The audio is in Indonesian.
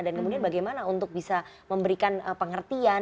dan kemudian bagaimana untuk bisa memberikan pengertian